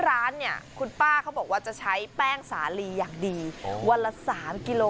ร้านเนี่ยคุณป้าเขาบอกว่าจะใช้แป้งสาลีอย่างดีวันละ๓กิโล